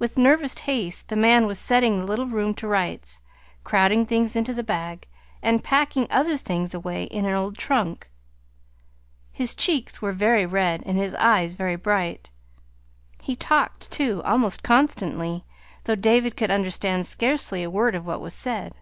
With nervous haste the man was setting the little room to rights, crowding things into the bag, and packing other things away in an old trunk. His cheeks were very red, and his eyes very bright. He talked, too, almost constantly, though David could understand scarcely a word of what was said.